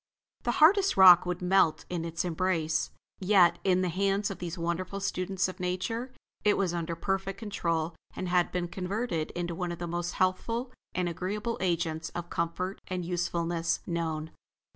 The hardest rock would melt in its embrace; yet, in the hands of these wonderful students of Nature, it was under perfect control and had been converted into one of the most healthful and agreeable agents of comfort and usefulness known.